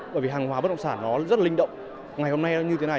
bởi vì hàng hóa bất động sản rất linh động ngày hôm nay như thế này